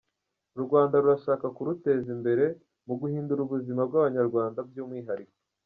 U Rwanda rurashaka kuruteza imbere mu guhindura ubuzima bw’abanyarwanda by’umwihariko.